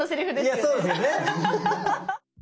いやそうですよね。